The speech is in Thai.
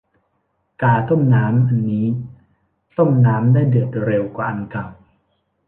กาต้มน้ำอันนี้ต้มน้ำได้เดือดเร็วกว่าอันเก่า